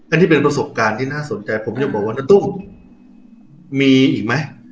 อันนี้เป็นประสบการณ์ที่น่าสนใจผมยังบอกว่าณตุ้มมีอีกไหม